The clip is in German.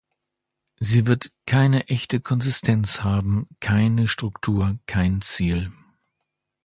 Sie wird keine echte Konsistenz haben, keine Struktur, kein Ziel.